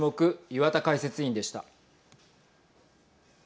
岩田解説委員でした。